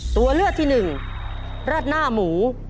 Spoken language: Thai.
ตัวเลือกที่หนึ่งราดหน้าหมู